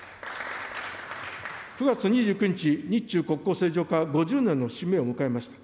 ９月２９日、日中国交正常化５０年の節目を迎えました。